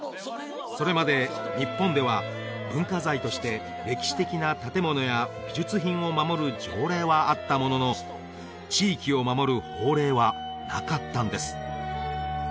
それまで日本では文化財として歴史的な建物や美術品を守る条例はあったものの地域を守る法令はなかったんです